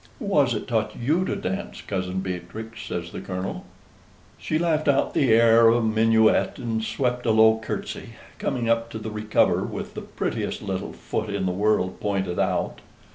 "Who was it taught YOU to dance, Cousin Beatrix?" says the Colonel. She laughed out the air of a minuet, and swept a low curtsy, coming up to the recover with the prettiest little foot in the world pointed out.